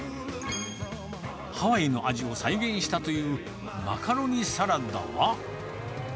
ハワイの味を再現したというマカロニサラダは。